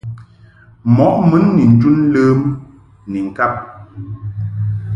Mɔʼ mun ni njun ləm ni ŋkab .